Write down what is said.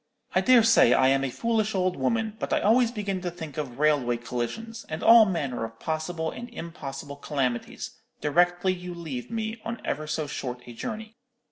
I dare say I am a foolish old woman, but I always begin to think of railway collisions, and all manner of possible and impossible calamities, directly you leave me on ever so short a journey.